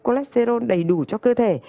colexerone đầy đủ cho cơ thể